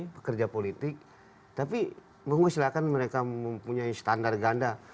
pekerja politik tapi mohon silakan mereka mempunyai standar ganda